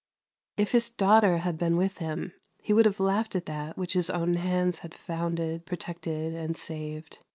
If his daughter had been with him he would have laughed at that which his own hands had founded, protected, and saved.